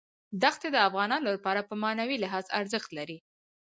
دښتې د افغانانو لپاره په معنوي لحاظ ارزښت لري.